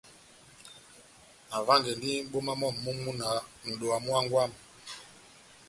Navángɛndi mʼboma mɔ́mi mú múna nʼdowa mú hángwɛ wami.